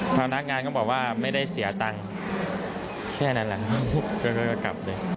พนักงานก็บอกว่าไม่ได้เสียตังค์แค่นั้นแหละ